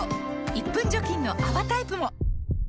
１分除菌の泡タイプも！